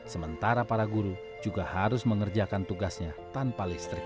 sementara para guru juga harus mengerjakan tugasnya tanpa listrik